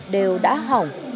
đều đã hỏng